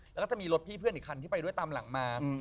แล้วก็จะมีรถพี่เพื่อนอีกคันที่ไปด้วยตามหลังมา